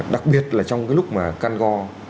đặc biệt là trong cái lúc mà can go